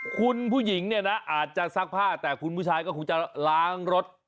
คุณผู้หญิงเนี่ยนะอาจจะซักผ้าแต่คุณผู้ชายก็คงจะล้างรถ